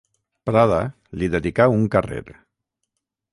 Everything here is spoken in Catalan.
Prada li dedicà un carrer.